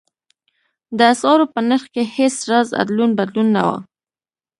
د اسعارو په نرخ کې هېڅ راز ادلون بدلون نه و.